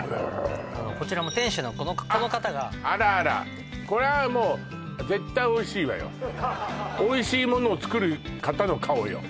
こちらも店主のこの方があっあらあらこりゃもう絶対おいしいわよおいしいものを作る方の顔よ